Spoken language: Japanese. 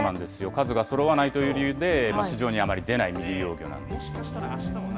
数がそろわないという理由で、市場にあまり出ない未利用魚なんです。